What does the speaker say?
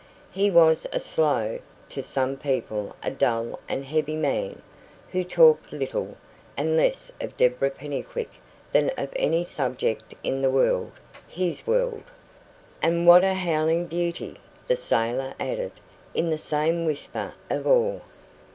He was a slow to some people a dull and heavy man, who talked little, and less of Deborah Pennycuick than of any subject in the world his world. "And what a howling beauty!" the sailor added, in the same whisper of awe.